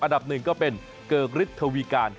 อันดับหนึ่งก็เป็นเกิกฤทธวีการ